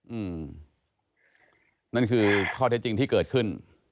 อืมนั่นคือข้อเท็จจริงที่เกิดขึ้น